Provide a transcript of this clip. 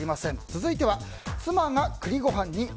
続いては、妻が栗ご飯に○○。